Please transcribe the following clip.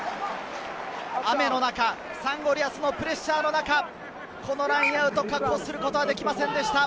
雨の中、サンゴリアスのプレッシャーの中、このラインアウト、確保することができませんでした。